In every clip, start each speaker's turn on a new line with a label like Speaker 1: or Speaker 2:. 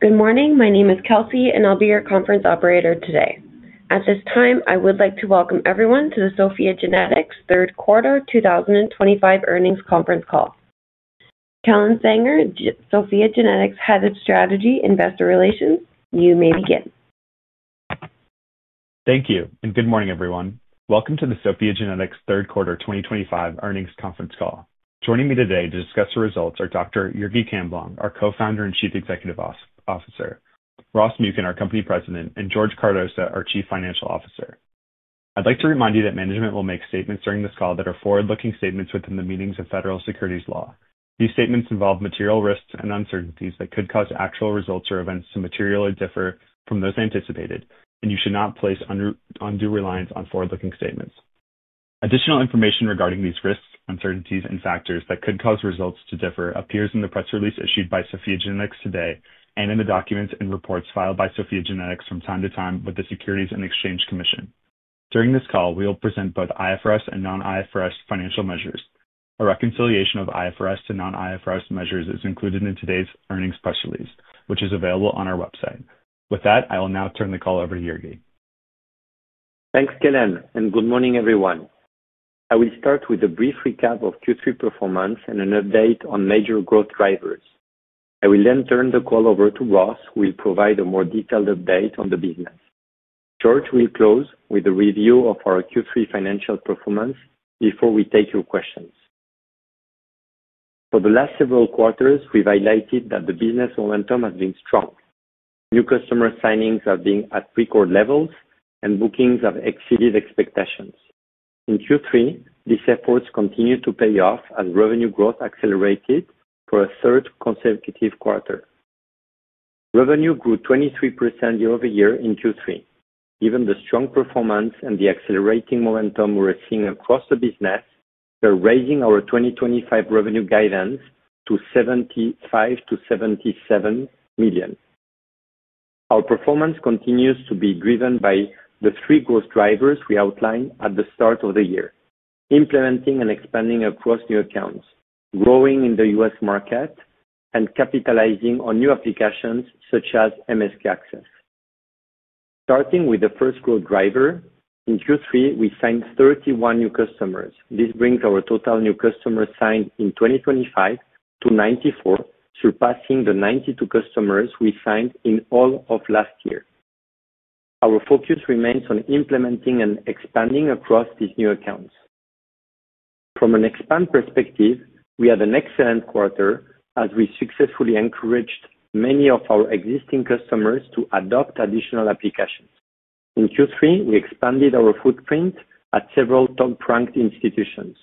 Speaker 1: Good morning. My name is Kelsey, and I'll be your conference operator today. At this time, I would like to welcome everyone to the SOPHiA GENETICS third quater 2025 earnings conference call. Kellen Sanger, SOPHiA GENETICS Head of Strategy & Investor Relations, you may begin.
Speaker 2: Thank you, and good morning, everyone. Welcome to the SOPHiA GENETICS third quater 2025 earnings conference call. Joining me today to discuss the results are Dr. Jurgi Camblong, our Co-Founder and Chief Executive Officer; Ross Muken, our Company President; and George Cardoza, our Chief Financial Officer. I'd like to remind you that management will make statements during this call that are forward-looking statements within the meanings of federal securities law. These statements involve material risks and uncertainties that could cause actual results or events to materially differ from those anticipated, and you should not place undue reliance on forward-looking statements. Additional information regarding these risks, uncertainties, and factors that could cause results to differ appears in the press release issued by SOPHiA GENETICS today and in the documents and reports filed by SOPHiA GENETICS from time to time with the Securities and Exchange Commission. During this call, we will present both IFRS and non-IFRS financial measures. A reconciliation of IFRS to non-IFRS measures is included in today's earnings press release, which is available on our website. With that, I will now turn the call over to Jurgi.
Speaker 3: Thanks, Kellen, and good morning, everyone. I will start with a brief recap of Q3 performance and an update on major growth drivers. I will then turn the call over to Ross, who will provide a more detailed update on the business. George will close with a review of our Q3 financial performance before we take your questions. For the last several quarters, we've highlighted that the business momentum has been strong. New customer signings have been at record levels, and bookings have exceeded expectations. In Q3, these efforts continue to pay off as revenue growth accelerated for a third consecutive quarter. Revenue grew 23% year-over-year in Q3. Given the strong performance and the accelerating momentum we're seeing across the business, we're raising our 2025 revenue guidance to $75 million-$77 million. Our performance continues to be driven by the three growth drivers we outlined at the start of the year: implementing and expanding across new accounts, growing in the US market, and capitalizing on new applications such as MSK Access. Starting with the first growth driver, in Q3, we signed 31 new customers. This brings our total new customers signed in 2025 to 94, surpassing the 92 customers we signed in all of last year. Our focus remains on implementing and expanding across these new accounts. From an expand perspective, we had an excellent quarter as we successfully encouraged many of our existing customers to adopt additional applications. In Q3, we expanded our footprint at several top-ranked institutions.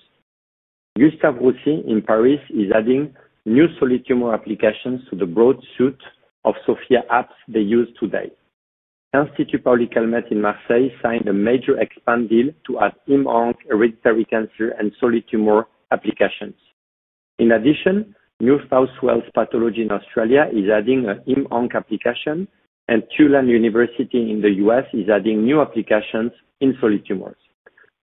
Speaker 3: Gustave Roussy in Paris is adding new solid tumor applications to the broad suite of SOPHiA apps they use today. Institut Paoli-Calmettes in Marseille signed a major expand deal to add MONK hereditary cancer and solid tumor applications. In addition, New South Wales Pathology in Australia is adding a MONK application, and Tulane University in the US is adding new applications in solid tumors.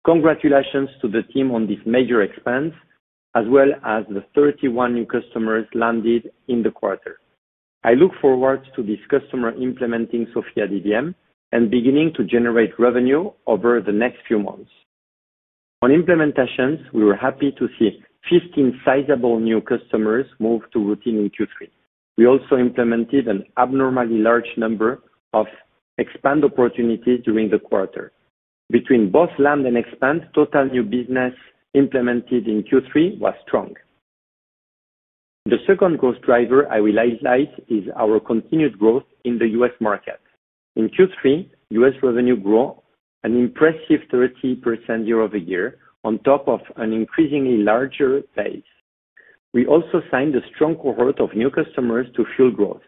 Speaker 3: Congratulations to the team on these major expands, as well as the 31 new customers landed in the quarter. I look forward to these customers implementing SOPHiA DDM and beginning to generate revenue over the next few months. On implementations, we were happy to see 15 sizable new customers move to routine in Q3. We also implemented an abnormally large number of expand opportunities during the quarter. Between both land and expand, total new business implemented in Q3 was strong. The second growth driver I will highlight is our continued growth in the US market. In Q3, U.S. revenue grew an impressive 30% year-over-year on top of an increasingly larger base. We also signed a strong cohort of new customers to fuel growth.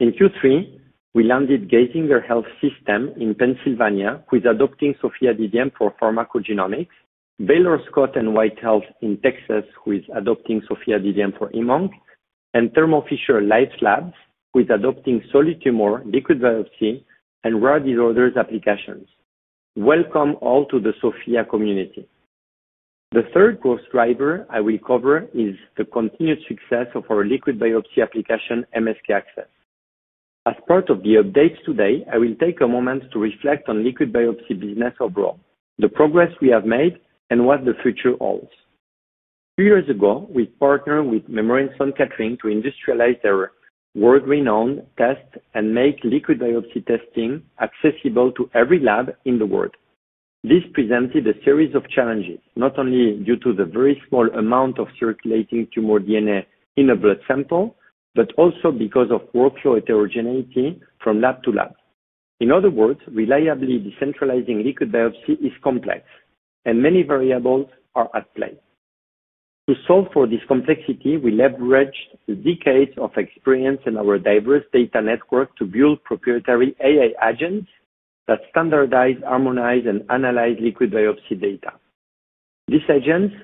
Speaker 3: In Q3, we landed Geisinger Health System in Pennsylvania with adopting SOPHiA DDM for pharmacogenomics, Baylor Scott & White Health in Texas with adopting SOPHiA DDM for MONK, and Thermo Fisher Life Labs with adopting solid tumor liquid biopsy and rare disorders applications. Welcome all to the SOPHiA community. The third growth driver I will cover is the continued success of our liquid biopsy application, MSK Access. As part of the updates today, I will take a moment to reflect on liquid biopsy business overall, the progress we have made, and what the future holds. Two years ago, we partnered with Memorial Sloan Kettering to industrialize their world-renowned test and make liquid biopsy testing accessible to every lab in the world. This presented a series of challenges, not only due to the very small amount of circulating tumor DNA in a blood sample, but also because of workflow heterogeneity from lab to lab. In other words, reliably decentralizing liquid biopsy is complex, and many variables are at play. To solve for this complexity, we leveraged decades of experience in our diverse data network to build proprietary AI agents that standardize, harmonize, and analyze liquid biopsy data. These agents,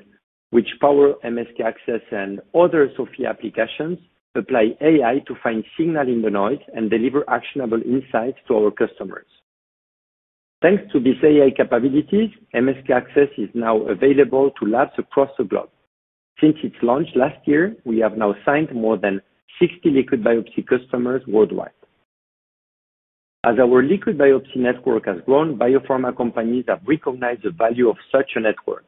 Speaker 3: which power MSK Access and other SOPHiA applications, apply AI to find signal in the noise and deliver actionable insights to our customers. Thanks to these AI capabilities, MSK Access is now available to labs across the globe. Since its launch last year, we have now signed more than 60 liquid biopsy customers worldwide. As our liquid biopsy network has grown, biopharma companies have recognized the value of such a network.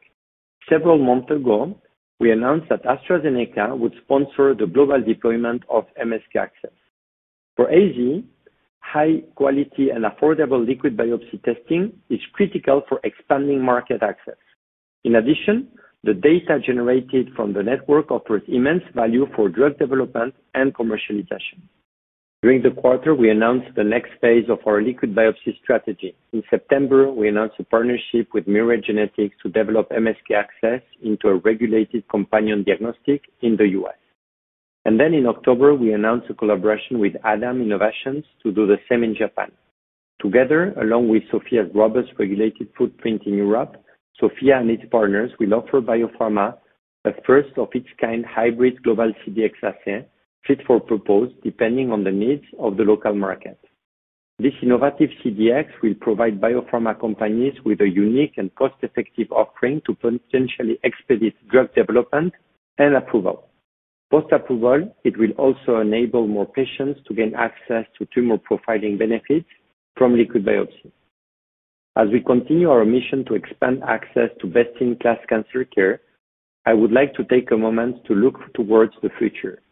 Speaker 3: Several months ago, we announced that AstraZeneca would sponsor the global deployment of MSK Access. For AstraZeneca, high-quality and affordable liquid biopsy testing is critical for expanding market access. In addition, the data generated from the network offers immense value for drug development and commercialization. During the quarter, we announced the next phase of our liquid biopsy strategy. In September, we announced a partnership with Mirai Genetics to develop MSK Access into a regulated companion diagnostic in the United States. In October, we announced a collaboration with Adam Innovations to do the same in Japan. Together, along with SOPHiA's robust regulated footprint in Europe, SOPHiA and its partners will offer biopharma a first-of-its-kind hybrid global CDx assay fit for purpose, depending on the needs of the local market. This innovative CDx will provide biopharma companies with a unique and cost-effective offering to potentially expedite drug development and approval. Post-approval, it will also enable more patients to gain access to tumor profiling benefits from liquid biopsy. As we continue our mission to expand access to best-in-class cancer care, I would like to take a moment to look towards the future.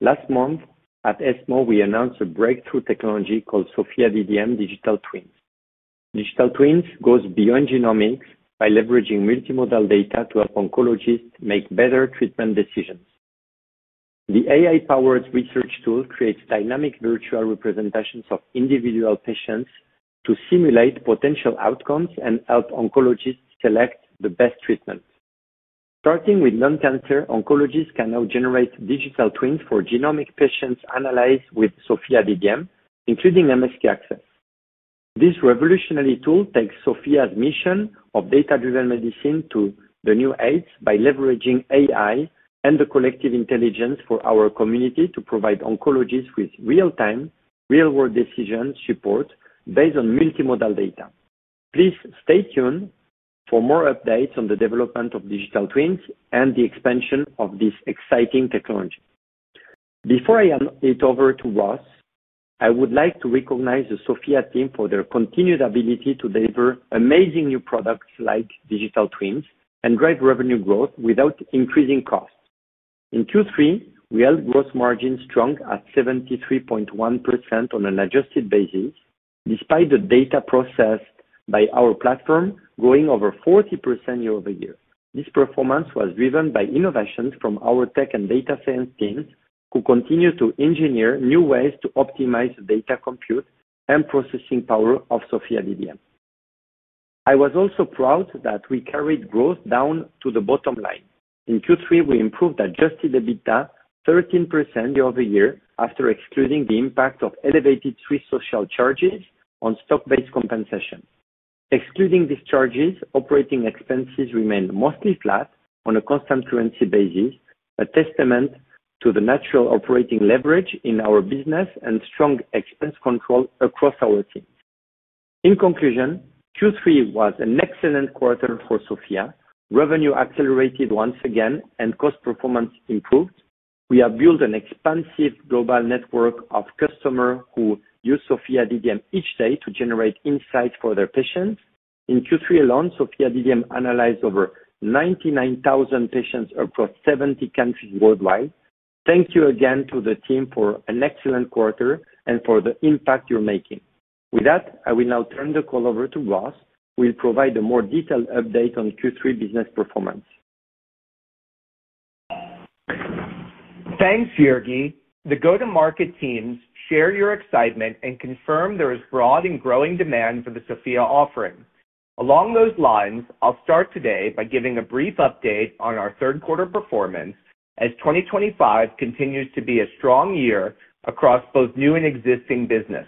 Speaker 3: Last month, at ESMO, we announced a breakthrough technology called SOPHiA DDM Digital Twins. Digital Twins goes beyond genomics by leveraging multimodal data to help oncologists make better treatment decisions. The AI-powered research tool creates dynamic virtual representations of individual patients to simulate potential outcomes and help oncologists select the best treatment. Starting with lung cancer, oncologists can now generate digital twins for genomic patients analyzed with SOPHiA DDM, including MSK Access. This revolutionary tool takes SOPHiA's mission of data-driven medicine to new heights by leveraging AI and the collective intelligence for our community to provide oncologists with real-time, real-world decision support based on multimodal data. Please stay tuned for more updates on the development of digital twins and the expansion of this exciting technology. Before I hand it over to Ross, I would like to recognize the SOPHiA team for their continued ability to deliver amazing new products like digital twins and drive revenue growth without increasing costs. In Q3, we held gross margins strong at 73.1% on an adjusted basis, despite the data processed by our platform growing over 40% year-over-year. This performance was driven by innovations from our tech and data science teams who continue to engineer new ways to optimize the data compute and processing power of SOPHiA DDM. I was also proud that we carried growth down to the bottom line. In Q3, we improved adjusted EBITDA 13% year-over-year after excluding the impact of elevated free social charges on stock-based compensation. Excluding these charges, operating expenses remained mostly flat on a constant currency basis, a testament to the natural operating leverage in our business and strong expense control across our teams. In conclusion, Q3 was an excellent quarter for SOPHiA. Revenue accelerated once again, and cost performance improved. We have built an expansive global network of customers who use SOPHiA DDM each day to generate insights for their patients. In Q3 alone, SOPHiA DDM analyzed over 99,000 patients across 70 countries worldwide. Thank you again to the team for an excellent quarter and for the impact you're making. With that, I will now turn the call over to Ross, who will provide a more detailed update on Q3 business performance.
Speaker 4: Thanks, Jurgi. The go-to-market teams share your excitement and confirm there is broad and growing demand for the SOPHiA offering. Along those lines, I'll start today by giving a brief update on our third-quarter performance as 2025 continues to be a strong year across both new and existing business.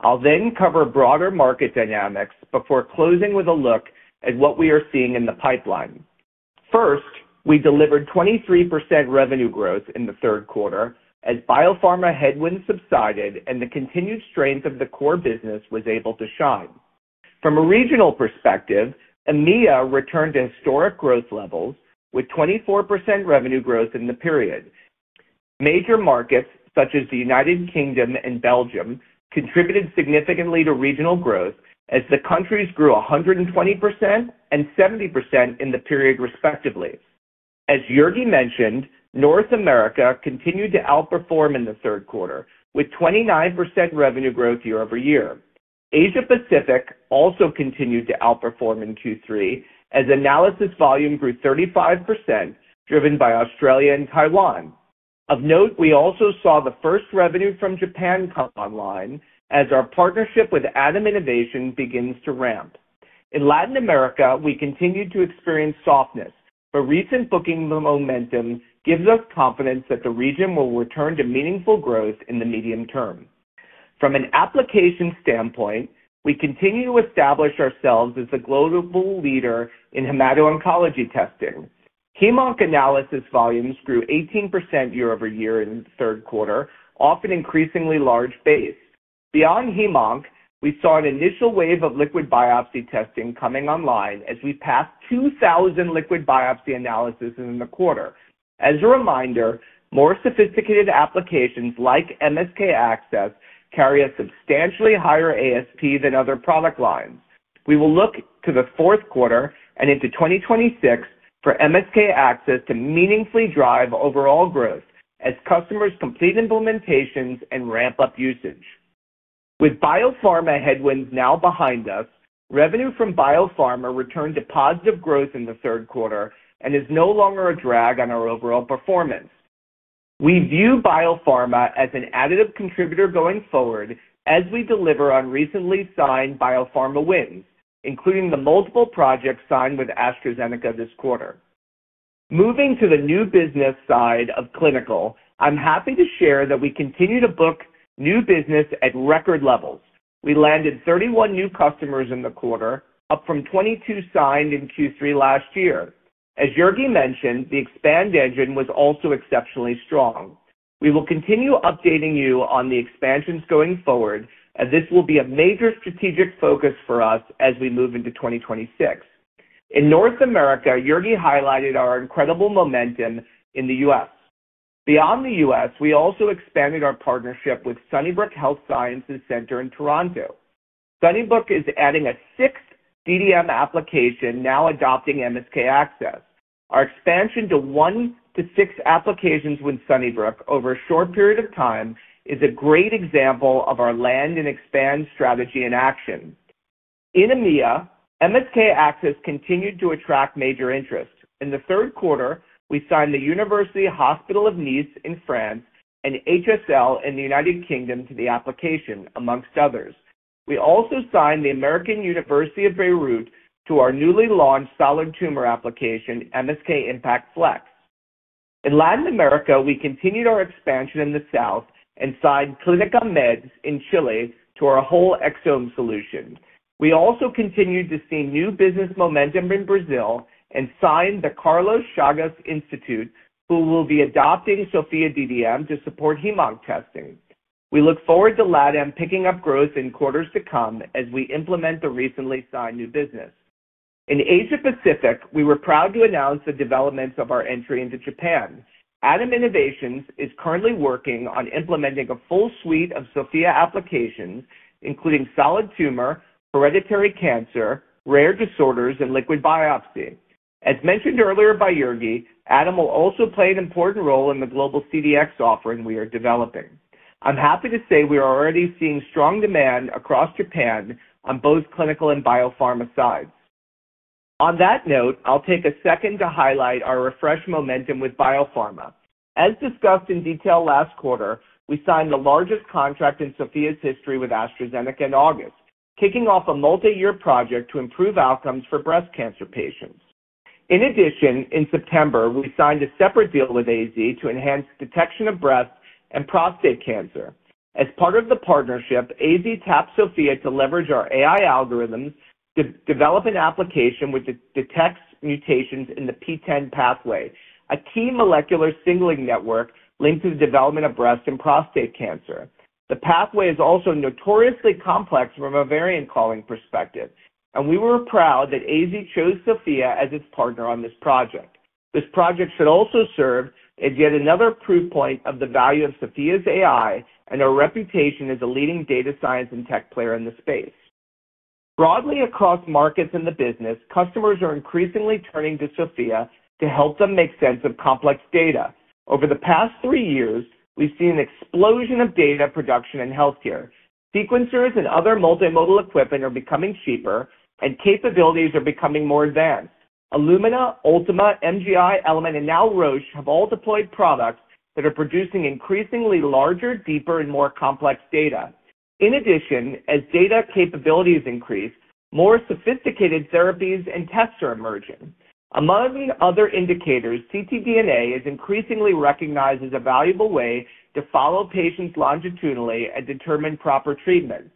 Speaker 4: I'll then cover broader market dynamics before closing with a look at what we are seeing in the pipeline. First, we delivered 23% revenue growth in the third quarter as biopharma headwinds subsided and the continued strength of the core business was able to shine. From a regional perspective, EMEA returned to historic growth levels with 24% revenue growth in the period. Major markets such as the United Kingdom and Belgium contributed significantly to regional growth as the countries grew 120% and 70% in the period, respectively. As Jurgi mentioned, North America continued to outperform in the third quarter with 29% revenue growth year-over-year. Asia-Pacific also continued to outperform in Q3 as analysis volume grew 35%, driven by Australia and Taiwan. Of note, we also saw the first revenue from Japan come online as our partnership with Adam Innovations begins to ramp. In Latin America, we continue to experience softness, but recent booking momentum gives us confidence that the region will return to meaningful growth in the medium term. From an application standpoint, we continue to establish ourselves as the global leader in hemato-oncology testing. HMONK analysis volumes grew 18% year-over-year in the third quarter, off an increasingly large base. Beyond HMONK, we saw an initial wave of liquid biopsy testing coming online as we passed 2,000 liquid biopsy analyses in the quarter. As a reminder, more sophisticated applications like MSK Access carry a substantially higher ASP than other product lines. We will look to the fourth quarter and into 2026 for MSK Access to meaningfully drive overall growth as customers complete implementations and ramp up usage. With biopharma headwinds now behind us, revenue from biopharma returned to positive growth in the third quarter and is no longer a drag on our overall performance. We view biopharma as an additive contributor going forward as we deliver on recently signed biopharma wins, including the multiple projects signed with AstraZeneca this quarter. Moving to the new business side of clinical, I'm happy to share that we continue to book new business at record levels. We landed 31 new customers in the quarter, up from 22 signed in Q3 last year. As Jurgi mentioned, the expand engine was also exceptionally strong. We will continue updating you on the expansions going forward, as this will be a major strategic focus for us as we move into 2026. In North America, Jurgi highlighted our incredible momentum in the US. Beyond the US, we also expanded our partnership with Sunnybrook Health Sciences Center in Toronto. Sunnybrook is adding a sixth DDM application now adopting MSK Access. Our expansion to one to six applications with Sunnybrook over a short period of time is a great example of our land and expand strategy in action. In EMEA, MSK Access continued to attract major interest. In the third quarter, we signed the University Hospital of Nice in France and HSL in the United Kingdom to the application, amongst others. We also signed the American University of Beirut to our newly launched solid tumor application, MSK Impact Flex. In Latin America, we continued our expansion in the south and signed Clinica Meds in Chile to our whole exome solution. We also continued to see new business momentum in Brazil and signed the Carlos Chagas Institute, who will be adopting SOPHiA DDM to support HMONK testing. We look forward to LADAM picking up growth in quarters to come as we implement the recently signed new business. In Asia-Pacific, we were proud to announce the developments of our entry into Japan. Adam Innovations is currently working on implementing a full suite of SOPHiA applications, including solid tumor, hereditary cancer, rare disorders, and liquid biopsy. As mentioned earlier by Jurgi, Adam will also play an important role in the global CDx offering we are developing. I'm happy to say we are already seeing strong demand across Japan on both clinical and biopharma sides. On that note, I'll take a second to highlight our refreshed momentum with biopharma. As discussed in detail last quarter, we signed the largest contract in SOPHiA's history with AstraZeneca in August, kicking off a multi-year project to improve outcomes for breast cancer patients. In addition, in September, we signed a separate deal with AZ to enhance detection of breast and prostate cancer. As part of the partnership, AZ tapped SOPHiA to leverage our AI algorithms to develop an application which detects mutations in the P10 pathway, a key molecular signaling network linked to the development of breast and prostate cancer. The pathway is also notoriously complex from a variant calling perspective, and we were proud that AZ chose SOPHiA as its partner on this project. This project should also serve as yet another proof point of the value of SOPHiA's AI and our reputation as a leading data science and tech player in the space. Broadly across markets in the business, customers are increasingly turning to SOPHiA to help them make sense of complex data. Over the past three years, we've seen an explosion of data production in healthcare. Sequencers and other multimodal equipment are becoming cheaper, and capabilities are becoming more advanced. Illumina, Ultima, MGI, Element, and now Roche have all deployed products that are producing increasingly larger, deeper, and more complex data. In addition, as data capabilities increase, more sophisticated therapies and tests are emerging. Among other indicators, ctDNA is increasingly recognized as a valuable way to follow patients longitudinally and determine proper treatment.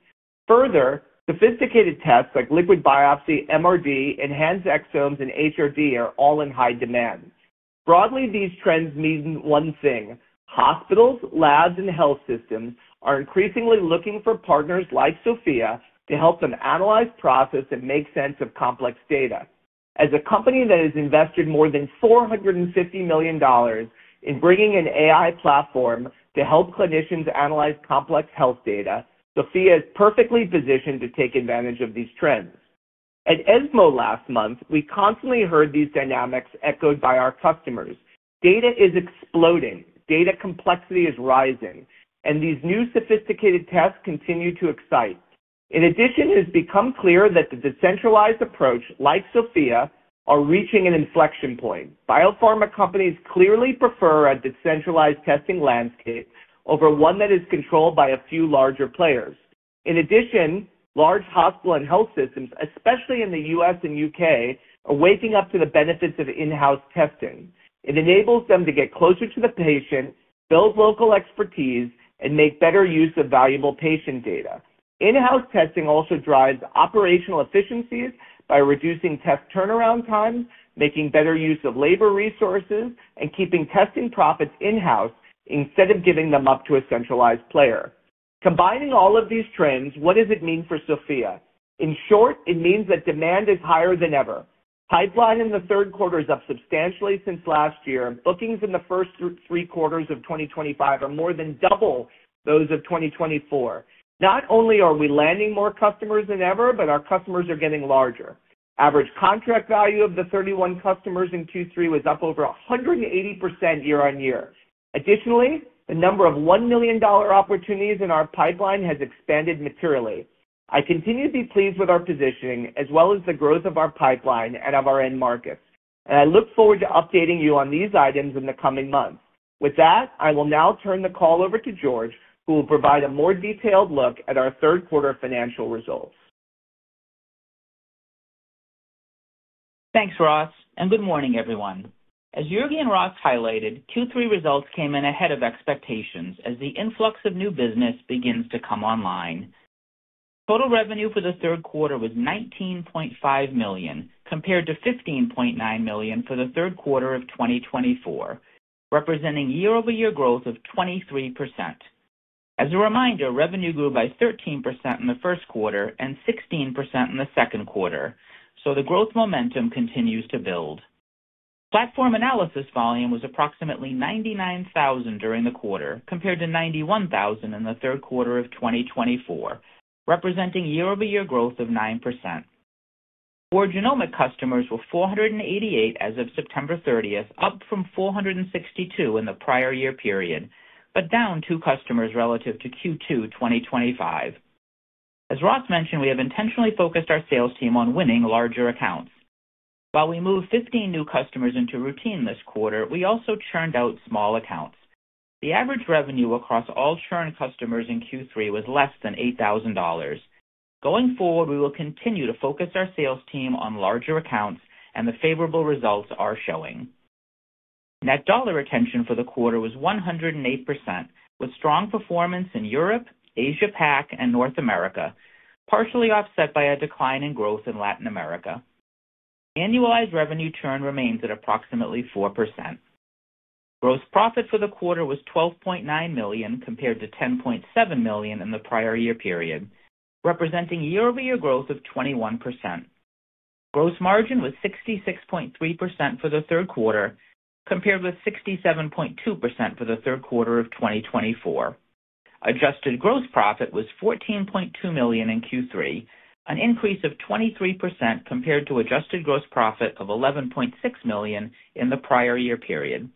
Speaker 4: Further, sophisticated tests like liquid biopsy, MRD, enhanced exomes, and HRD are all in high demand. Broadly, these trends mean one thing: hospitals, labs, and health systems are increasingly looking for partners like SOPHiA to help them analyze, process, and make sense of complex data. As a company that has invested more than $450 million in bringing an AI platform to help clinicians analyze complex health data, SOPHiA is perfectly positioned to take advantage of these trends. At ESMO last month, we constantly heard these dynamics echoed by our customers. Data is exploding. Data complexity is rising, and these new sophisticated tests continue to excite. In addition, it has become clear that the decentralized approach, like SOPHiA, is reaching an inflection point. Biopharma companies clearly prefer a decentralized testing landscape over one that is controlled by a few larger players. In addition, large hospital and health systems, especially in the U.S. and U.K., are waking up to the benefits of in-house testing. It enables them to get closer to the patient, build local expertise, and make better use of valuable patient data. In-house testing also drives operational efficiencies by reducing test turnaround times, making better use of labor resources, and keeping testing profits in-house instead of giving them up to a centralized player. Combining all of these trends, what does it mean for SOPHiA? In short, it means that demand is higher than ever. Pipeline in the third quarter is up substantially since last year, and bookings in the first three quarters of 2025 are more than double those of 2024. Not only are we landing more customers than ever, but our customers are getting larger. Average contract value of the 31 customers in Q3 was up over 180% year-on-year. Additionally, the number of $1 million opportunities in our pipeline has expanded materially. I continue to be pleased with our positioning, as well as the growth of our pipeline and of our end markets, and I look forward to updating you on these items in the coming months. With that, I will now turn the call over to George, who will provide a more detailed look at our third-quarter financial results.
Speaker 5: Thanks, Ross, and good morning, everyone. As Jurgi and Ross highlighted, Q3 results came in ahead of expectations as the influx of new business begins to come online. Total revenue for the third quarter was $19.5 million, compared to $15.9 million for the third quarter of 2024, representing year-over-year growth of 23%. As a reminder, revenue grew by 13% in the first quarter and 16% in the second quarter, so the growth momentum continues to build. Platform analysis volume was approximately 99,000 during the quarter, compared to 91,000 in the third quarter of 2024, representing year-over-year growth of 9%. Core genomic customers were 488 as of September 30, up from 462 in the prior year period, but down two customers relative to Q2 2025. As Ross mentioned, we have intentionally focused our sales team on winning larger accounts. While we moved 15 new customers into routine this quarter, we also churned out small accounts. The average revenue across all churn customers in Q3 was less than $8,000. Going forward, we will continue to focus our sales team on larger accounts, and the favorable results are showing. Net dollar retention for the quarter was 108%, with strong performance in Europe, Asia-Pac, and North America, partially offset by a decline in growth in Latin America. Annualized revenue churn remains at approximately 4%. Gross profit for the quarter was $12.9 million, compared to $10.7 million in the prior year period, representing year-over-year growth of 21%. Gross margin was 66.3% for the third quarter, compared with 67.2% for the third quarter of 2024. Adjusted gross profit was $14.2 million in Q3, an increase of 23% compared to adjusted gross profit of $11.6 million in the prior year period.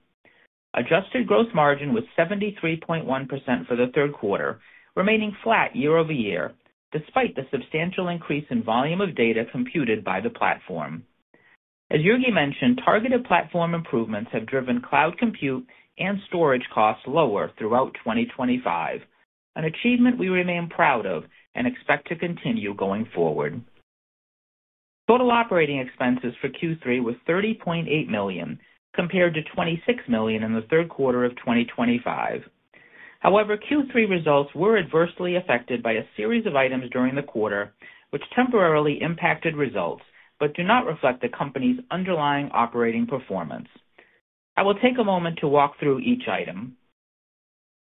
Speaker 5: Adjusted gross margin was 73.1% for the third quarter, remaining flat year-over-year, despite the substantial increase in volume of data computed by the platform. As Jurgi mentioned, targeted platform improvements have driven cloud compute and storage costs lower throughout 2025, an achievement we remain proud of and expect to continue going forward. Total operating expenses for Q3 were $30.8 million, compared to $26 million in the third quarter of 2025. However, Q3 results were adversely affected by a series of items during the quarter, which temporarily impacted results but do not reflect the company's underlying operating performance. I will take a moment to walk through each item.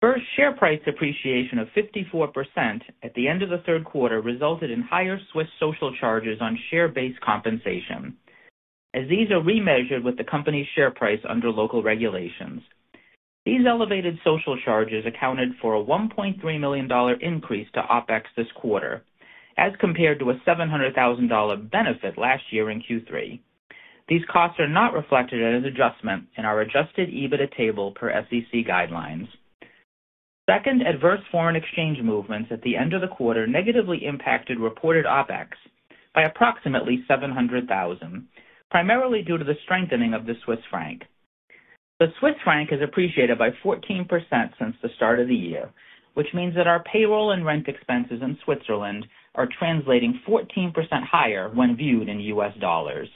Speaker 5: First, share price appreciation of 54% at the end of the third quarter resulted in higher Swiss social charges on share-based compensation, as these are remeasured with the company's share price under local regulations. These elevated social charges accounted for a $1.3 million increase to OpEx this quarter, as compared to a $700,000 benefit last year in Q3. These costs are not reflected as adjustment in our adjusted EBITDA table per SEC guidelines. Second, adverse foreign exchange movements at the end of the quarter negatively impacted reported OpEx by approximately $700,000, primarily due to the strengthening of the Swiss franc. The Swiss franc is appreciated by 14% since the start of the year, which means that our payroll and rent expenses in Switzerland are translating 14% higher when viewed in US dollars.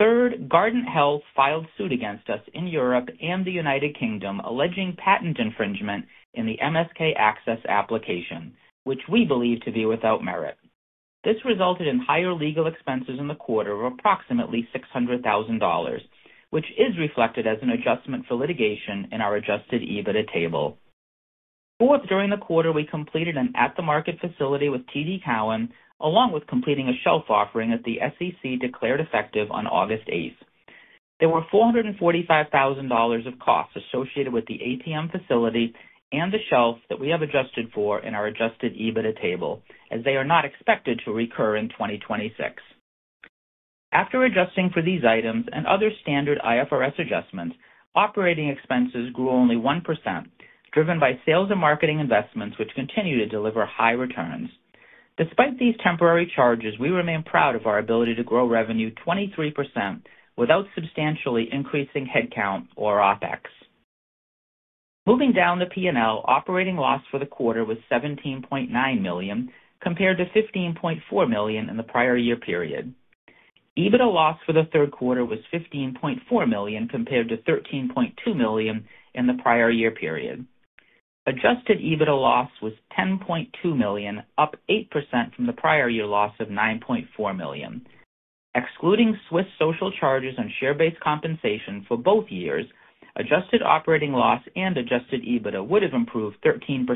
Speaker 5: Third, Guardant Health filed suit against us in Europe and the U.K., alleging patent infringement in the MSK Access application, which we believe to be without merit. This resulted in higher legal expenses in the quarter of approximately $600,000, which is reflected as an adjustment for litigation in our adjusted EBITDA table. Fourth, during the quarter, we completed an at-the-market facility with TD Cowen, along with completing a shelf offering that the SEC declared effective on August 8. There were $445,000 of costs associated with the ATM facility and the shelf that we have adjusted for in our adjusted EBITDA table, as they are not expected to recur in 2026. After adjusting for these items and other standard IFRS adjustments, operating expenses grew only 1%, driven by sales and marketing investments, which continue to deliver high returns. Despite these temporary charges, we remain proud of our ability to grow revenue 23% without substantially increasing headcount or OpEx. Moving down the P&L, operating loss for the quarter was $17.9 million, compared to $15.4 million in the prior year period. EBITDA loss for the third quarter was $15.4 million, compared to $13.2 million in the prior year period. Adjusted EBITDA loss was $10.2 million, up 8% from the prior year loss of $9.4 million. Excluding Swiss social charges and share-based compensation for both years, adjusted operating loss and adjusted EBITDA would have improved 13%,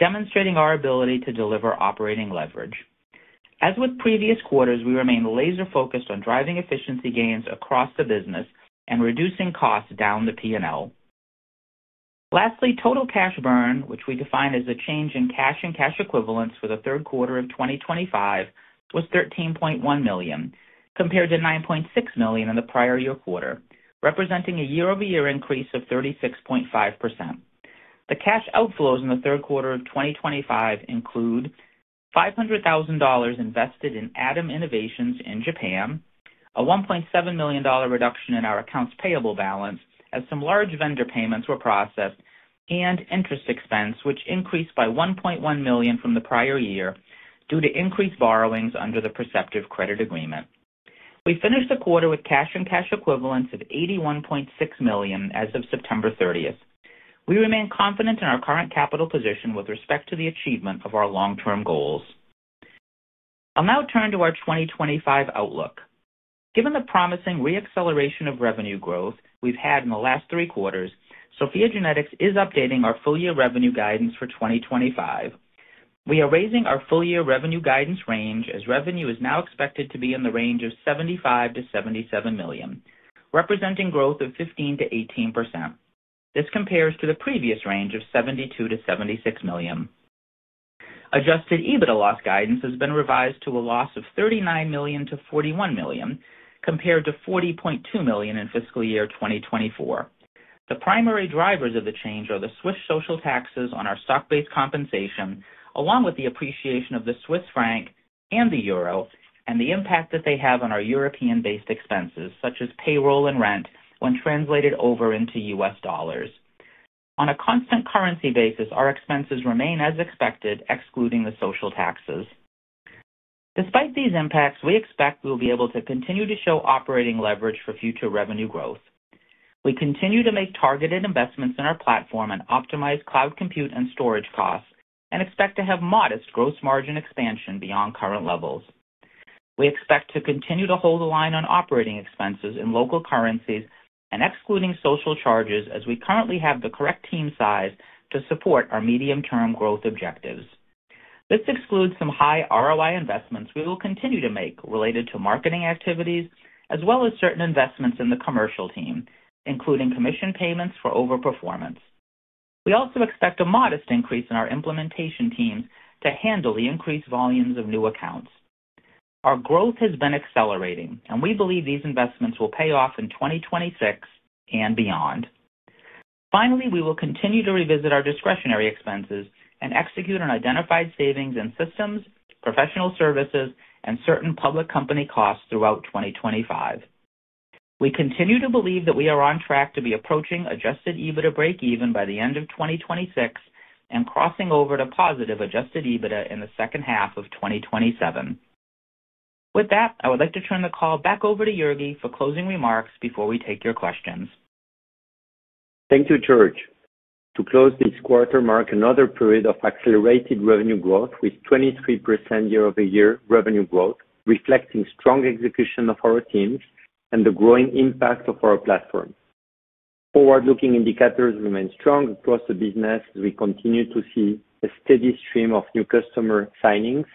Speaker 5: demonstrating our ability to deliver operating leverage. As with previous quarters, we remain laser-focused on driving efficiency gains across the business and reducing costs down the P&L. Lastly, total cash burn, which we define as a change in cash and cash equivalents for the third quarter of 2025, was $13.1 million, compared to $9.6 million in the prior year quarter, representing a year-over-year increase of 36.5%. The cash outflows in the third quarter of 2025 include $500,000 invested in Adam Innovations in Japan, a $1.7 million reduction in our accounts payable balance as some large vendor payments were processed, and interest expense, which increased by $1.1 million from the prior year due to increased borrowings under the Perceptive credit agreement. We finished the quarter with cash and cash equivalents of $81.6 million as of September 30. We remain confident in our current capital position with respect to the achievement of our long-term goals. I'll now turn to our 2025 outlook. Given the promising re-acceleration of revenue growth we've had in the last three quarters, SOPHiA GENETICS is updating our full-year revenue guidance for 2025. We are raising our full-year revenue guidance range as revenue is now expected to be in the range of $75 million-$77 million, representing growth of 15%-18%. This compares to the previous range of $72 million-$76 million. Adjusted EBITDA loss guidance has been revised to a loss of $39 million-$41 million, compared to $40.2 million in fiscal year 2024. The primary drivers of the change are the Swiss social taxes on our stock-based compensation, along with the appreciation of the Swiss franc and the euro, and the impact that they have on our European-based expenses, such as payroll and rent, when translated over into US dollars. On a constant currency basis, our expenses remain as expected, excluding the social taxes. Despite these impacts, we expect we will be able to continue to show operating leverage for future revenue growth. We continue to make targeted investments in our platform and optimize cloud compute and storage costs, and expect to have modest gross margin expansion beyond current levels. We expect to continue to hold the line on operating expenses in local currencies, excluding social charges, as we currently have the correct team size to support our medium-term growth objectives. This excludes some high ROI investments we will continue to make related to marketing activities, as well as certain investments in the commercial team, including commission payments for overperformance. We also expect a modest increase in our implementation teams to handle the increased volumes of new accounts. Our growth has been accelerating, and we believe these investments will pay off in 2026 and beyond. Finally, we will continue to revisit our discretionary expenses and execute on identified savings in systems, professional services, and certain public company costs throughout 2025. We continue to believe that we are on track to be approaching adjusted EBITDA break-even by the end of 2026 and crossing over to positive adjusted EBITDA in the second half of 2027. With that, I would like to turn the call back over to Jurgi for closing remarks before we take your questions.
Speaker 3: Thank you, George. To close, this quarter marks another period of accelerated revenue growth with 23% year-over-year revenue growth, reflecting strong execution of our teams and the growing impact of our platform. Forward-looking indicators remain strong across the business as we continue to see a steady stream of new customer signings,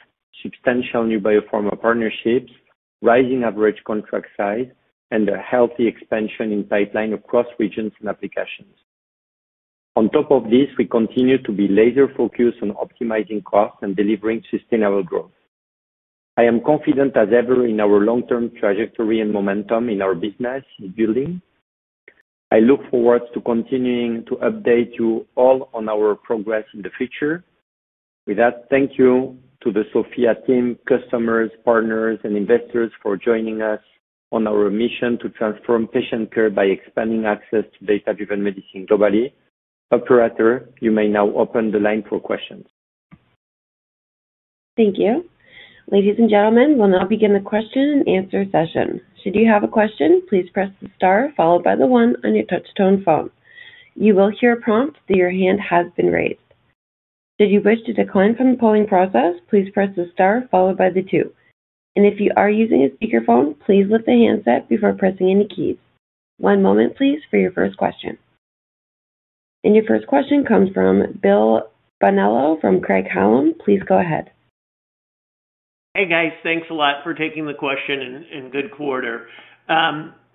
Speaker 3: substantial new biopharma partnerships, rising average contract size, and a healthy expansion in pipeline across regions and applications. On top of this, we continue to be laser-focused on optimizing costs and delivering sustainable growth. I am confident, as ever, in our long-term trajectory and momentum in our business building. I look forward to continuing to update you all on our progress in the future. With that, thank you to the SOPHiA team, customers, partners, and investors for joining us on our mission to transform patient care by expanding access to data-driven medicine globally. Operator, you may now open the line for questions.
Speaker 1: Thank you. Ladies and gentlemen, we'll now begin the question and answer session. Should you have a question, please press the star followed by the one on your touch-tone phone. You will hear a prompt that your hand has been raised. Should you wish to decline from the polling process, please press the star followed by the two. If you are using a speakerphone, please lift the handset before pressing any keys. One moment, please, for your first question. Your first question comes from Bonello from Craig Hallum. Please go ahead.
Speaker 6: Hey, guys. Thanks a lot for taking the question and good quarter.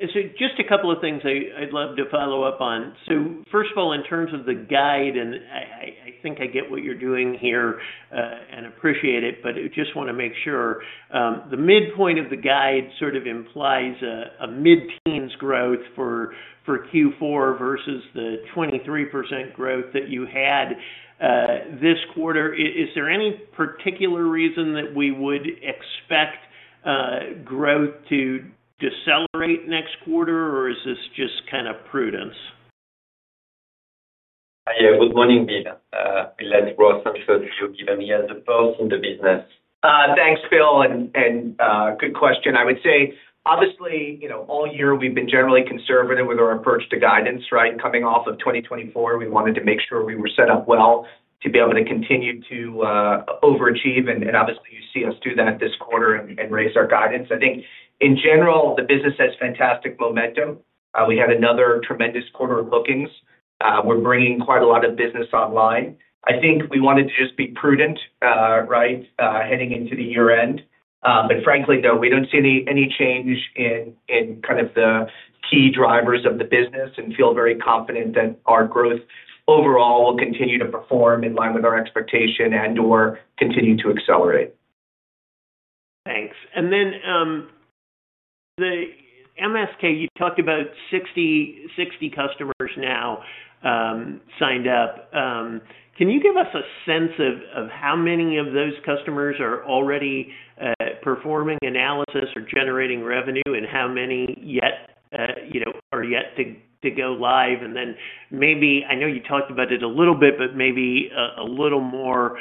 Speaker 6: Just a couple of things I'd love to follow up on. First of all, in terms of the guide, and I think I get what you're doing here and appreciate it, but I just want to make sure the midpoint of the guide sort of implies a mid-teens growth for Q4 versus the 23% growth that you had this quarter. Is there any particular reason that we would expect growth to decelerate next quarter, or is this just kind of prudence?
Speaker 3: Yeah. Good morning, Bill. I'm glad you brought some thoughts you've given me as a person in the business.
Speaker 4: Thanks, Bill. Good question. I would say, obviously, all year, we've been generally conservative with our approach to guidance, right? Coming off of 2024, we wanted to make sure we were set up well to be able to continue to overachieve. Obviously, you see us do that this quarter and raise our guidance. I think, in general, the business has fantastic momentum. We had another tremendous quarter of bookings. We're bringing quite a lot of business online. I think we wanted to just be prudent, right, heading into the year-end. Frankly, though, we don't see any change in kind of the key drivers of the business and feel very confident that our growth overall will continue to perform in line with our expectation and/or continue to accelerate.
Speaker 6: Thanks. The MSK, you talked about 60 customers now signed up. Can you give us a sense of how many of those customers are already performing analysis or generating revenue, and how many are yet to go live? Maybe I know you talked about it a little bit, but maybe a little more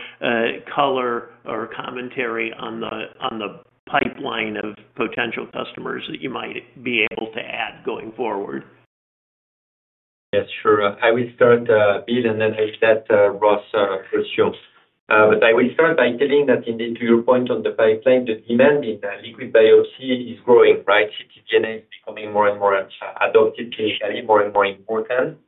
Speaker 6: color or commentary on the pipeline of potential customers that you might be able to add going forward.
Speaker 3: Yes, sure. I will start, Bill, and then I'll let Ross pursue. I will start by telling that indeed, to your point on the pipeline, the demand in liquid biopsy is growing, right? ctDNA is becoming more and more adopted clinically, more and more important.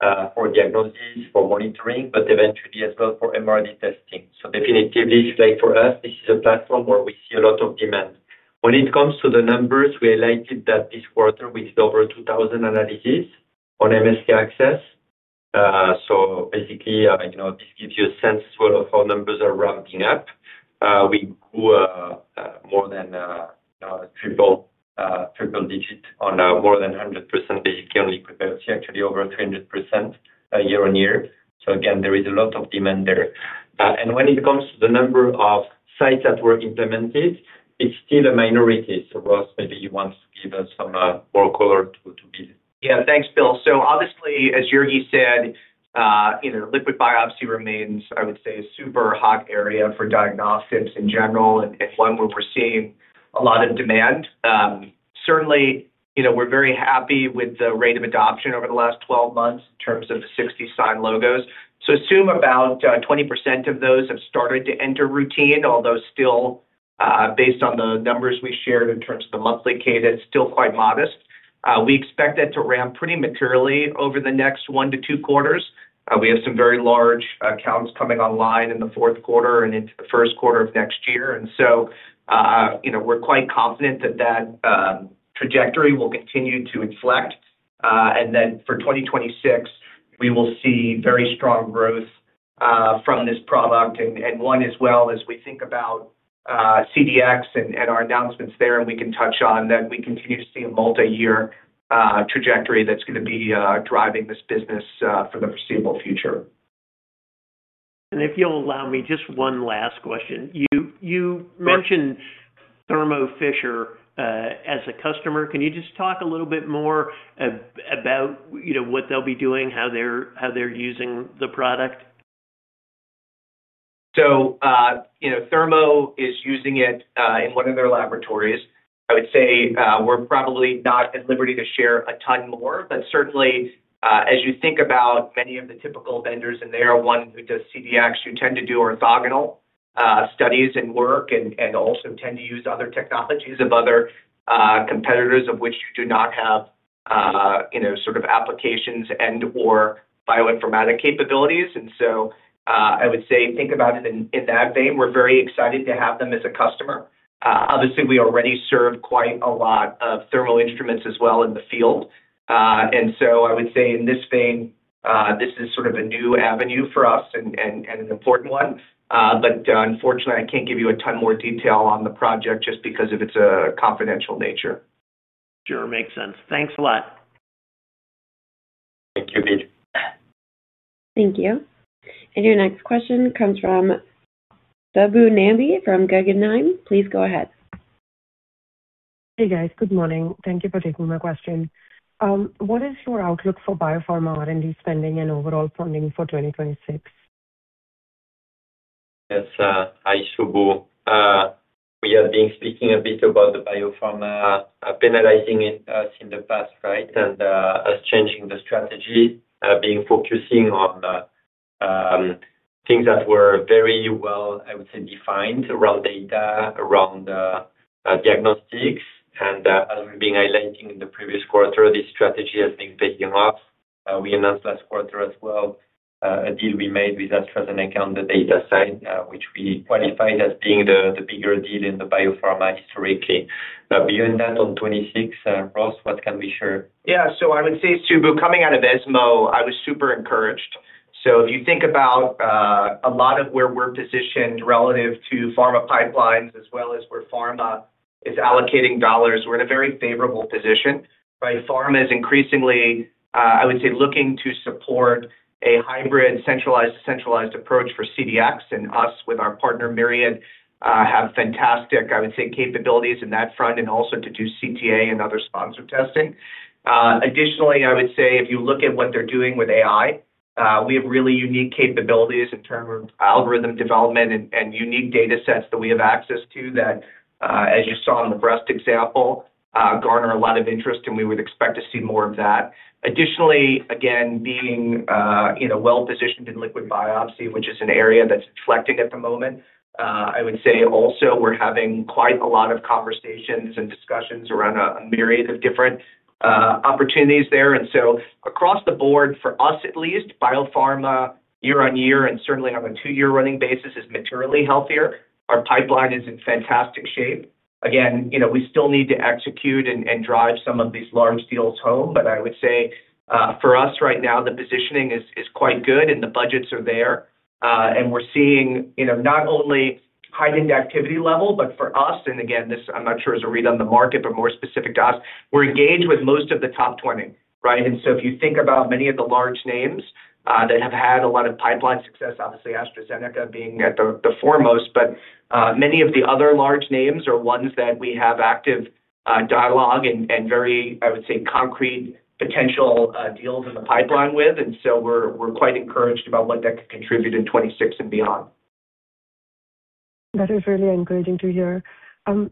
Speaker 3: For diagnosis, for monitoring, but eventually as well for MRD testing. Definitely, like for us, this is a platform where we see a lot of demand. When it comes to the numbers, we highlighted that this quarter, we did over 2,000 analyses on MSK Access. Basically, this gives you a sense as well of how numbers are rounding up. We grew more than a triple digit, more than 100% basically on liquid biopsy, actually over 300% year on year. Again, there is a lot of demand there. When it comes to the number of sites that were implemented, it's still a minority. Ross, maybe you want to give us some more color to Bill.
Speaker 4: Yeah. Thanks, Bill. Obviously, as Jurgi said, liquid biopsy remains, I would say, a super hot area for diagnostics in general and one where we're seeing a lot of demand. Certainly, we're very happy with the rate of adoption over the last 12 months in terms of the 60-sign logos. Assume about 20% of those have started to enter routine, although still, based on the numbers we shared in terms of the monthly cadence, still quite modest. We expect that to ramp pretty materially over the next one to two quarters. We have some very large accounts coming online in the fourth quarter and into the first quarter of next year. We're quite confident that that trajectory will continue to inflect. For 2026, we will see very strong growth from this product.
Speaker 6: As well, as we think about CDx and our announcements there, and we can touch on that, we continue to see a multi-year trajectory that's going to be driving this business for the foreseeable future. If you'll allow me, just one last question. You mentioned Thermo Fisher as a customer. Can you just talk a little bit more about what they'll be doing, how they're using the product? Thermo is using it in one of their laboratories. I would say we're probably not at liberty to share a ton more. Certainly, as you think about many of the typical vendors in there, one who does CDx, you tend to do orthogonal studies and work and also tend to use other technologies of other competitors of which you do not have sort of applications and/or bioinformatic capabilities. I would say think about it in that vein. We're very excited to have them as a customer. Obviously, we already serve quite a lot of Thermo instruments as well in the field. I would say in this vein, this is sort of a new avenue for us and an important one. Unfortunately, I can't give you a ton more detail on the project just because of its confidential nature. Sure. Makes sense. Thanks a lot.
Speaker 3: Thank you, Bill.
Speaker 1: Thank you. Your next question comes from Subbu Nambi from Guggenheim. Please go ahead.
Speaker 7: Hey, guys. Good morning. Thank you for taking my question. What is your outlook for biopharma R&D spending and overall funding for 2026?
Speaker 3: Yes. Hi, Subbu. We have been speaking a bit about the biopharma penalizing us in the past, right, and us changing the strategy, being focusing on things that were very well, I would say, defined around data, around diagnostics. As we have been highlighting in the previous quarter, this strategy has been paying off. We announced last quarter as well a deal we made with AstraZeneca on the data side, which we qualified as being the bigger deal in the biopharma historically. Beyond that, on 26, Ross, what can we share?
Speaker 4: Yeah. I would say, Subbu, coming out of ESMO, I was super encouraged. If you think about a lot of where we're positioned relative to pharma pipelines as well as where pharma is allocating dollars, we're in a very favorable position. Pharma is increasingly, I would say, looking to support a hybrid centralized to decentralized approach for CDx. Us, with our partner Myriad, have fantastic, I would say, capabilities in that front and also to do CTA and other sponsor testing. Additionally, I would say, if you look at what they're doing with AI, we have really unique capabilities in terms of algorithm development and unique data sets that we have access to that, as you saw in the breast example, garner a lot of interest, and we would expect to see more of that. Additionally, again, being well-positioned in liquid biopsy, which is an area that's deflecting at the moment, I would say also we're having quite a lot of conversations and discussions around a myriad of different opportunities there. Across the board, for us at least, biopharma year-on-year and certainly on a two-year running basis is materially healthier. Our pipeline is in fantastic shape. Again, we still need to execute and drive some of these large deals home. I would say for us right now, the positioning is quite good, and the budgets are there. We're seeing not only high-end activity level, but for us, and again, this I'm not sure is a read on the market, but more specific to us, we're engaged with most of the top 20, right? If you think about many of the large names that have had a lot of pipeline success, obviously AstraZeneca being at the foremost, but many of the other large names are ones that we have active dialogue and very, I would say, concrete potential deals in the pipeline with. We're quite encouraged about what that could contribute in 2026 and beyond.
Speaker 7: That is really encouraging to hear.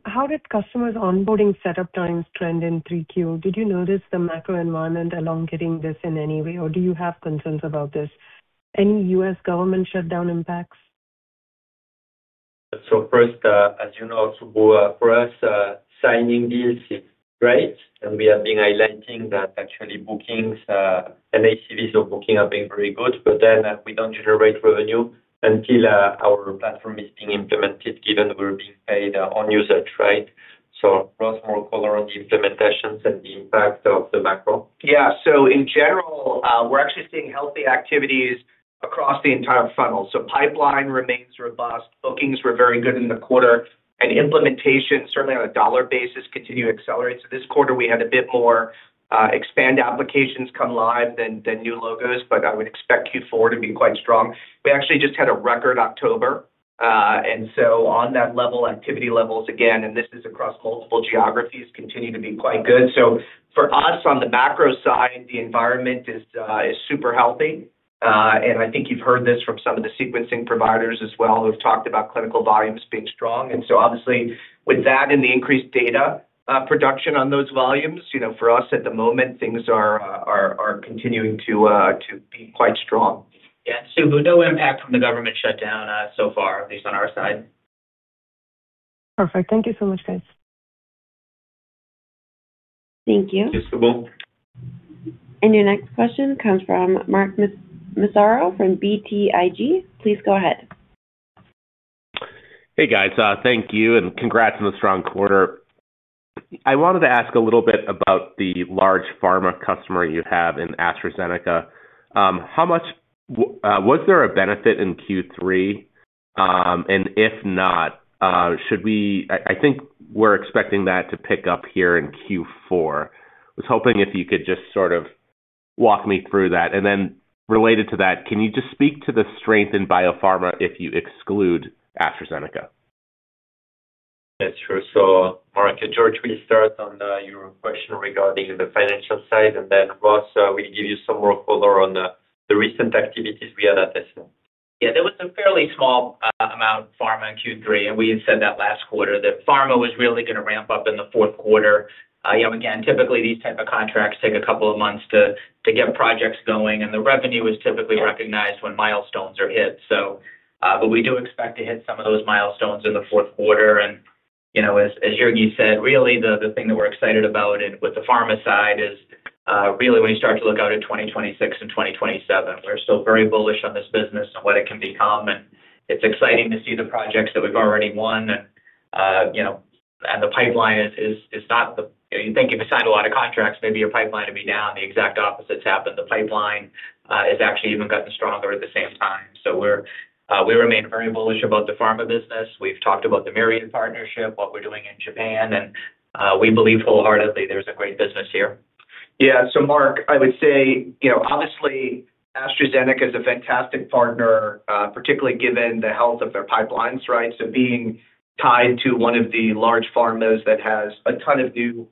Speaker 7: How did customers' onboarding setup times trend in 3Q? Did you notice the macro environment along getting this in any way, or do you have concerns about this? Any US government shutdown impacts?
Speaker 3: First, as you know, Subbu, for us, signing deals is great. We have been highlighting that actually bookings, NACVs of booking have been very good. We do not generate revenue until our platform is being implemented, given we're being paid on usage, right? Ross, more color on the implementations and the impact of the macro.
Speaker 6: Yeah. In general, we're actually seeing healthy activities across the entire funnel. Pipeline remains robust. Bookings were very good in the quarter. Implementation, certainly on a dollar basis, continues to accelerate. This quarter, we had a bit more expand applications come live than new logos, but I would expect Q4 to be quite strong. We actually just had a record October. On that level, activity levels again, and this is across multiple geographies, continue to be quite good. For us, on the macro side, the environment is super healthy. I think you've heard this from some of the sequencing providers as well who have talked about clinical volumes being strong. Obviously, with that and the increased data production on those volumes, for us at the moment, things are continuing to be quite strong. Yeah. Subbu, no impact from the government shutdown so far, at least on our side.
Speaker 7: Perfect. Thank you so much, guys.
Speaker 1: Thank you.
Speaker 3: Thanks, Subbu.
Speaker 1: Your next question comes from Mark Massaro from BTIG. Please go ahead.
Speaker 8: Hey, guys. Thank you. And congrats on the strong quarter. I wanted to ask a little bit about the large pharma customer you have in AstraZeneca. How much? Was there a benefit in Q3? And if not, should we? I think we're expecting that to pick up here in Q4. I was hoping if you could just sort of walk me through that. And then related to that, can you just speak to the strength in biopharma if you exclude AstraZeneca?
Speaker 3: That's true. Mark, George, we'll start on your question regarding the financial side. Ross, we'll give you some more color on the recent activities we had at ESMO.
Speaker 4: Yeah. There was a fairly small amount of pharma in Q3, and we had said that last quarter. The pharma was really going to ramp up in the fourth quarter. Typically, these types of contracts take a couple of months to get projects going. The revenue is typically recognized when milestones are hit. We do expect to hit some of those milestones in the fourth quarter. As Jurgi said, really, the thing that we're excited about with the pharma side is really when you start to look out at 2026 and 2027. We're still very bullish on this business and what it can become. It's exciting to see the projects that we've already won. The pipeline is not the you think you've signed a lot of contracts, maybe your pipeline would be down. The exact opposite's happened. The pipeline has actually even gotten stronger at the same time. We remain very bullish about the pharma business. We've talked about the Myriad partnership, what we're doing in Japan. We believe wholeheartedly there's a great business here. Yeah. Mark, I would say, obviously, AstraZeneca is a fantastic partner, particularly given the health of their pipelines, right? Being tied to one of the large pharmas that has a ton of new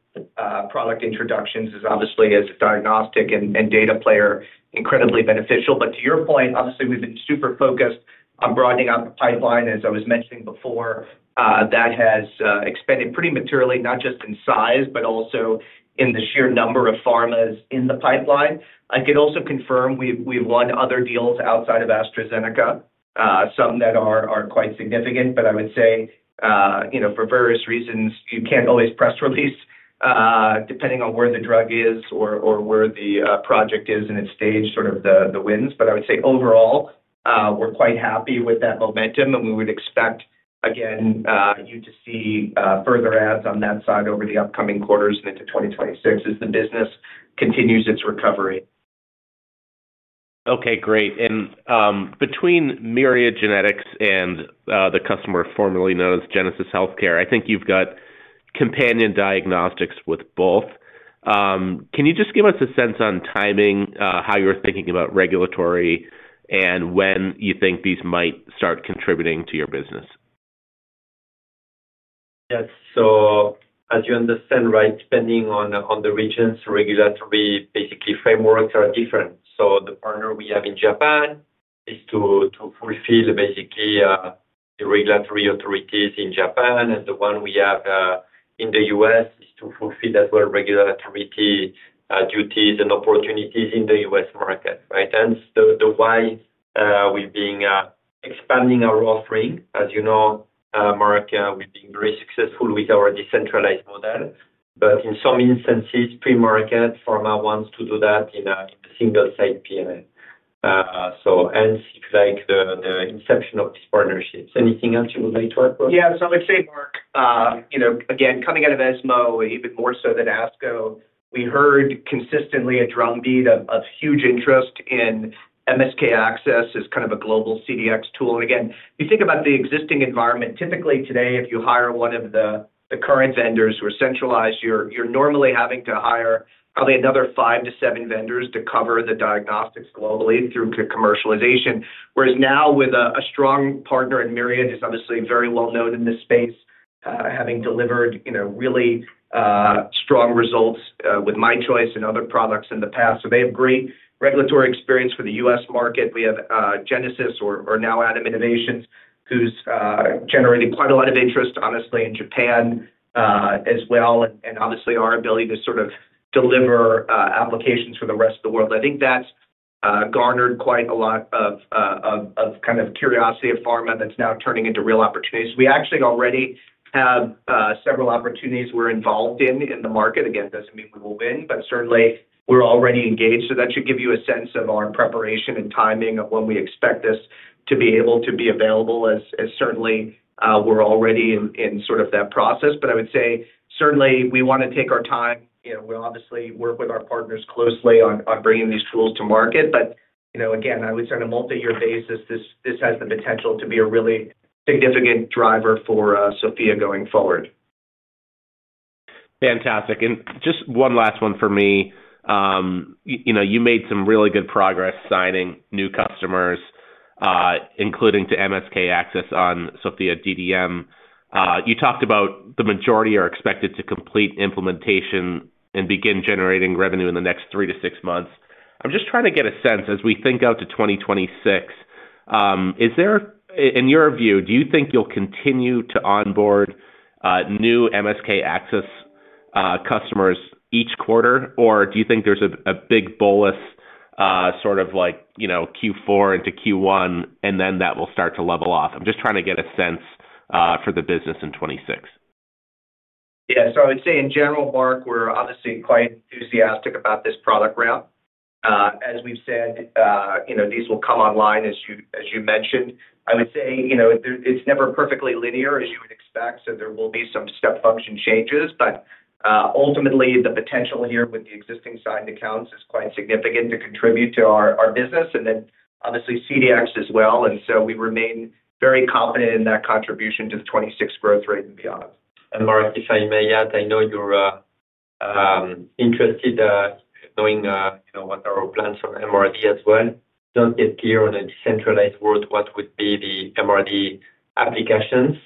Speaker 4: product introductions is obviously, as a diagnostic and data player, incredibly beneficial. To your point, we've been super focused on broadening out the pipeline. As I was mentioning before, that has expanded pretty materially, not just in size, but also in the sheer number of pharmas in the pipeline. I can also confirm we've won other deals outside of AstraZeneca, some that are quite significant. For various reasons, you can't always press release depending on where the drug is or where the project is in its stage, sort of the wins. Overall, we're quite happy with that momentum. We would expect, again, you to see further adds on that side over the upcoming quarters and into 2026 as the business continues its recovery.
Speaker 8: Okay. Great. Between Myriad Genetics and the customer formerly known as Genesis Healthcare, I think you've got companion diagnostics with both. Can you just give us a sense on timing, how you're thinking about regulatory, and when you think these might start contributing to your business?
Speaker 3: Yes. As you understand, right, depending on the regions, regulatory basically frameworks are different. The partner we have in Japan is to fulfill basically the regulatory authorities in Japan. The one we have in the US is to fulfill as well regulatory duties and opportunities in the US market, right? Hence the why we've been expanding our offering. As you know, Mark, we've been very successful with our decentralized model. In some instances, pre-market, pharma wants to do that in a single-site PMS. Hence, if you like, the inception of these partnerships. Anything else you would like to add, Ross?
Speaker 4: Yeah. I would say, Mark, again, coming out of ESMO, even more so than ASCO, we heard consistently a drumbeat of huge interest in MSK Access as kind of a global CDx tool. If you think about the existing environment, typically today, if you hire one of the current vendors who are centralized, you're normally having to hire probably another five to seven vendors to cover the diagnostics globally through commercialization. Whereas now, with a strong partner in Myriad, who's obviously very well known in this space, having delivered really strong results with MyChoice and other products in the past. They have great regulatory experience for the US market. We have Genesis, or now Adam Innovations, who's generated quite a lot of interest, honestly, in Japan as well, and obviously our ability to sort of deliver applications for the rest of the world. I think that's garnered quite a lot of kind of curiosity of pharma that's now turning into real opportunities. We actually already have several opportunities we're involved in in the market. It doesn't mean we will win, but certainly we're already engaged. That should give you a sense of our preparation and timing of when we expect this to be able to be available, as certainly we're already in sort of that process. I would say certainly we want to take our time. We obviously work with our partners closely on bringing these tools to market. I would say on a multi-year basis, this has the potential to be a really significant driver for SOPHiA GENETICS going forward.
Speaker 8: Fantastic. Just one last one for me. You made some really good progress signing new customers, including to MSK Access on SOPHiA DDM. You talked about the majority are expected to complete implementation and begin generating revenue in the next three to six months. I'm just trying to get a sense as we think out to 2026. In your view, do you think you'll continue to onboard new MSK Access customers each quarter, or do you think there's a big bolus sort of like Q4 into Q1, and then that will start to level off? I'm just trying to get a sense for the business in 2026.
Speaker 4: Yeah. I would say in general, Mark, we're obviously quite enthusiastic about this product route, as we've said. These will come online, as you mentioned. I would say it's never perfectly linear, as you would expect. There will be some step function changes. Ultimately, the potential here with the existing signed accounts is quite significant to contribute to our business and then obviously CDx as well. We remain very confident in that contribution to the 2026 growth rate and beyond.
Speaker 3: Mark, if I may add, I know you're interested knowing what our plans for MRD as well. Do not get clear on a decentralized world, what would be the MRD applications,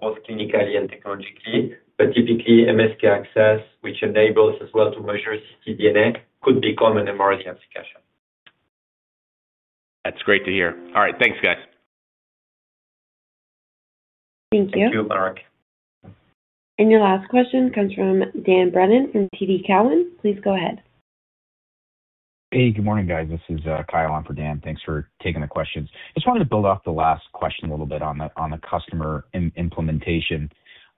Speaker 3: both clinically and technologically. Typically, MSK Access, which enables as well to measure ctDNA, could become an MRD application.
Speaker 8: That's great to hear. All right. Thanks, guys.
Speaker 1: Thank you.
Speaker 3: Thank you, Mark.
Speaker 1: Your last question comes from Dan Brennan from TD Cowen. Please go ahead. Hey, good morning, guys. This is Kyle on for Dan. Thanks for taking the questions. I just wanted to build off the last question a little bit on the customer implementation.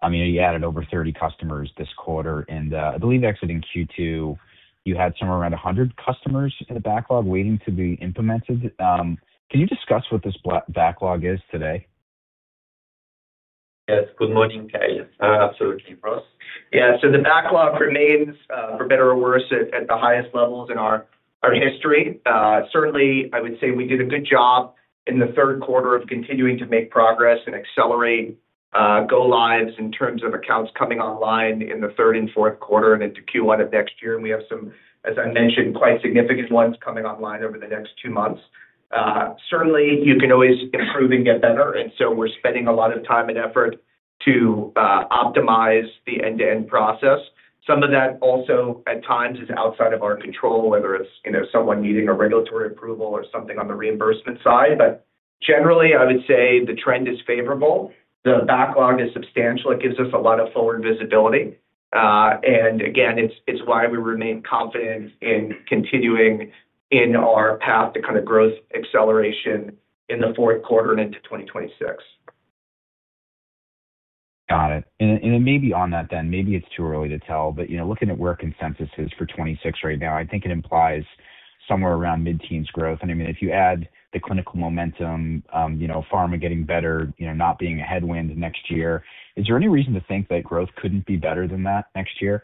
Speaker 1: You added over 30 customers this quarter. I believe exiting Q2, you had somewhere around 100 customers in the backlog waiting to be implemented. Can you discuss what this backlog is today?
Speaker 3: Yes. Good morning, Kyle. Absolutely, Ross.
Speaker 4: Yeah. The backlog remains, for better or worse, at the highest levels in our history. Certainly, I would say we did a good job in the third quarter of continuing to make progress and accelerate go lives in terms of accounts coming online in the third and fourth quarter and into Q1 of next year. We have some, as I mentioned, quite significant ones coming online over the next two months. Certainly, you can always improve and get better. We are spending a lot of time and effort to optimize the end-to-end process. Some of that also at times is outside of our control, whether it is someone needing a regulatory approval or something on the reimbursement side. Generally, I would say the trend is favorable. The backlog is substantial. It gives us a lot of forward visibility. Again, it is why we remain confident in continuing in our path to kind of growth acceleration in the fourth quarter and into 2026. Got it. And then maybe on that, then, maybe it's too early to tell, but looking at where consensus is for 2026 right now, I think it implies somewhere around mid-teens growth. And I mean, if you add the clinical momentum, pharma getting better, not being a headwind next year, is there any reason to think that growth couldn't be better than that next year?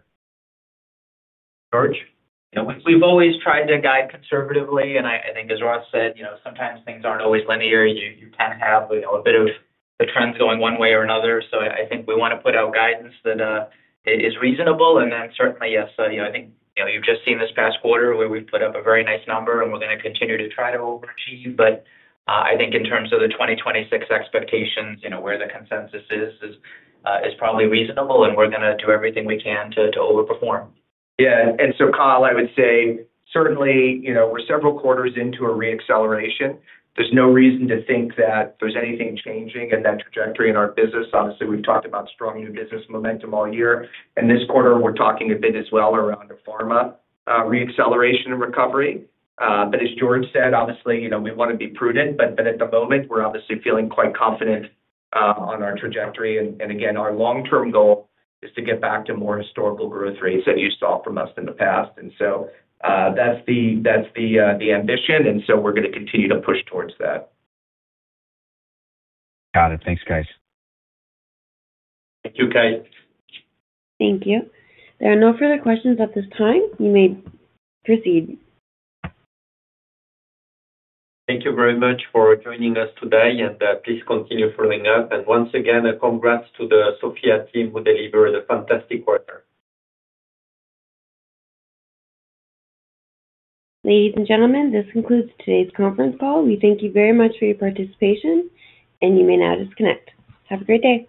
Speaker 3: George?
Speaker 5: Yeah. We've always tried to guide conservatively. I think, as Ross said, sometimes things are not always linear. You can have a bit of the trends going one way or another. I think we want to put out guidance that is reasonable. Certainly, yes, I think you have just seen this past quarter where we have put up a very nice number, and we are going to continue to try to overachieve. I think in terms of the 2026 expectations, where the consensus is, is probably reasonable, and we are going to do everything we can to overperform. Yeah. Kyle, I would say certainly we are several quarters into a reacceleration. There is no reason to think that there is anything changing in that trajectory in our business. Obviously, we have talked about strong new business momentum all year. This quarter, we are talking a bit as well around the pharma reacceleration and recovery. As George said, obviously, we want to be prudent. At the moment, we are obviously feeling quite confident on our trajectory. Again, our long-term goal is to get back to more historical growth rates that you saw from us in the past. That is the ambition. We are going to continue to push towards that. Got it. Thanks, guys.
Speaker 3: Thank you, Kyle.
Speaker 1: Thank you. There are no further questions at this time. You may proceed.
Speaker 3: Thank you very much for joining us today. Please continue following up. Once again, congrats to the SOPHiA team who delivered a fantastic quarter.
Speaker 1: Ladies and gentlemen, this concludes today's conference call. We thank you very much for your participation, and you may now disconnect. Have a great day.